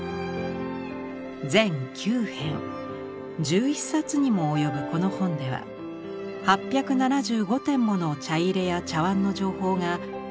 全９編１１冊にも及ぶこの本では８７５点もの茶入や茶碗の情報が詳細に記されています。